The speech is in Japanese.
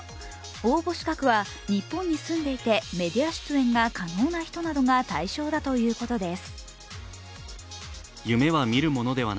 応募資格は、日本に住んでいてメディア出演が可能な人などが対象だということです。